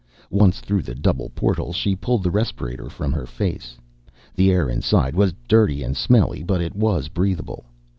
Once through the double portals, she pulled the respirator from her face. The air inside was dirty and smelly but it was breathable.